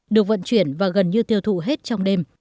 được vận chuyển và gần như tiêu thụ hết trong đêm